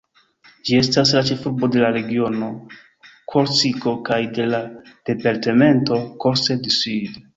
Ĝi estas la ĉefurbo de la regiono Korsiko kaj de la departemento Corse-du-Sud.